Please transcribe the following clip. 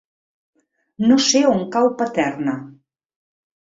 No sé on cau Paterna.